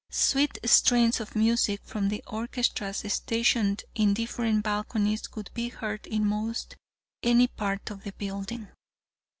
Sweet strains of music from the orchestras stationed in different balconies could be heard in most any part of the building.